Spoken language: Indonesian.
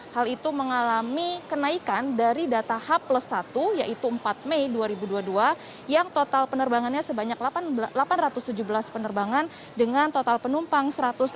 hal itu mengalami kenaikan dari data h plus satu yaitu empat mei dua ribu dua puluh dua yang total penerbangannya sebanyak delapan ratus tujuh belas penerbangan dengan total penumpang satu ratus enam puluh